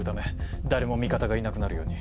誰も味方がいなくなるように。